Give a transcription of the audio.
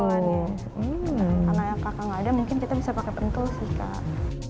karena yang kakak gak ada mungkin kita bisa pakai pentul sih kak